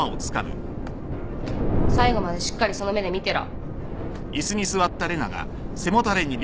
最後までしっかりその目で見てろ。